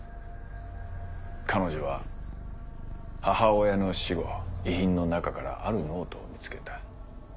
彼女は母親の死後遺品の中からあるノートを見つけた。